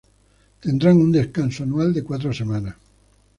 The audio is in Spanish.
Tendrán un descanso anual de cuatro semanas.